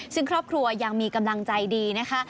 ซึ่งครอบครัวยังมีกำลังใจดีนะคะ